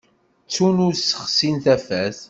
Ttun ur ssexsin tafat.